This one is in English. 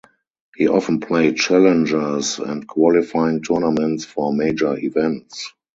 He often played Challengers and qualifying tournaments for major events.